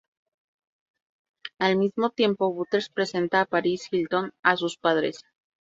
Al mismo tiempo, Butters presenta a Paris Hilton a sus padres.